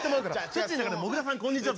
土ん中でもぐらさんこんにちは。